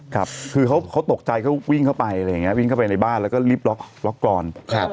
ครับคือเขาตกใจเขาวิ่งเข้าไปอะไรอย่างนี้วิ่งเข้าไปในบ้านแล้วก็รีบล็อกกรอน